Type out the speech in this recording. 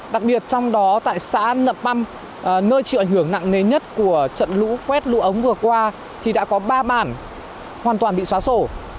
đặc biệt trong đó tại xã nậm băm nơi chịu ảnh hưởng nặng nề nhất của trận lũ quét lũ ống vừa qua thì đã có ba bản hoàn toàn bị xóa sổ